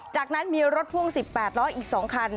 จากนั้นมีรถพ่วง๑๘ล้ออีก๒คัน